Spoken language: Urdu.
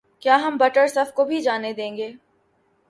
کیا ہم بٹ اور صف کو بھی جانے دیں گے